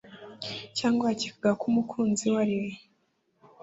Cyangwa yakekaga ko umukunzi we ari